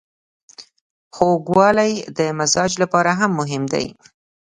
خوږوالی د مزاج لپاره هم مهم دی.